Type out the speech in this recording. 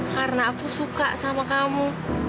karena aku suka sama kamu